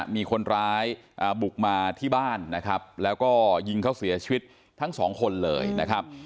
มีคนร้ายบุกมาที่บ้านนะครับแล้วก็ยิงเขาเสียชีวิตทั้งสองคนเลยนะครับ